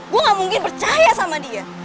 gue gak mungkin percaya sama dia